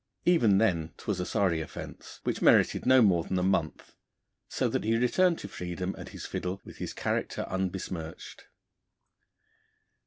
Even then 'twas a sorry offence, which merited no more than a month, so that he returned to freedom and his fiddle with his character unbesmirched.